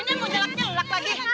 ini munculaknya lelak lagi